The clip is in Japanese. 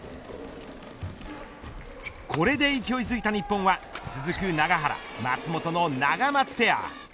これで勢いづいた日本は続く永原、松本のナガマツペア。